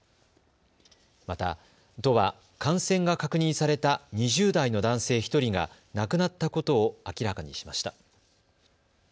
また、都は感染が確認された２０代の男性１人が亡くなったことを明らかにしました。